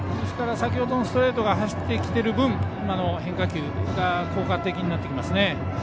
先ほどのストレートが走ってきている分今の変化球が効果的になってきますね。